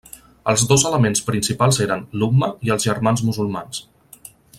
Els dos elements principals eren l'Umma i els Germans Musulmans.